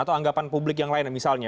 atau anggapan publik yang lain misalnya